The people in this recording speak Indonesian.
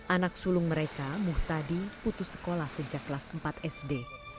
anak sulung mereka muhtadi putus sekolah sejak kelas empat sd